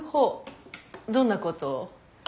どんなことを？